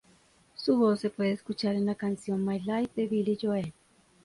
Su voz se puede escuchar en la canción "My Life" de Billy Joel.